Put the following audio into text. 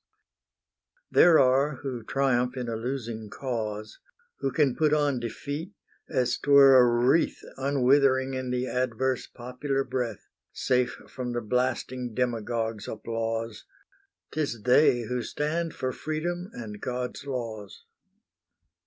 There are who triumph in a losing cause, Who can put on defeat, as 't were a wreath Unwithering in the adverse popular breath, Safe from the blasting demagogue's applause; 'Tis they who stand for Freedom and God's laws.